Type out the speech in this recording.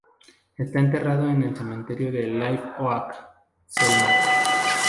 Está enterrado en el Cementerio de Live Oak, Selma.